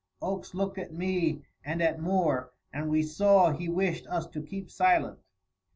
Oakes looked at me and at Moore, and we saw he wished us to keep silent.